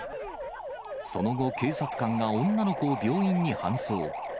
その後、警察官が女の子を病院に搬送。